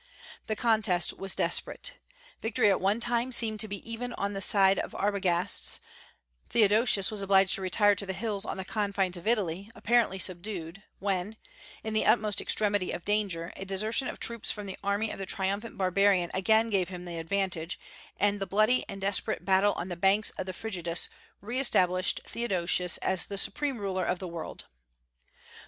The contest was desperate. Victory at one time seemed even to be on the side of Arbogastes: Theodosius was obliged to retire to the hills on the confines of Italy, apparently subdued, when, in the utmost extremity of danger, a desertion of troops from the army of the triumphant barbarian again gave him the advantage, and the bloody and desperate battle on the banks of the Frigidus re established Theodosius as the supreme ruler of the world.